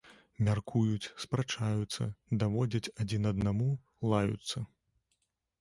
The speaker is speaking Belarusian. Мяркуюць, спрачаюцца, даводзяць адзін аднаму, лаюцца.